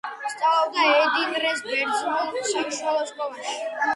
სწავლობდა ედირნეს ბერძნულ საშუალო სკოლაში.